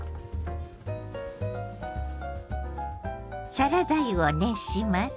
サラダ油を熱します。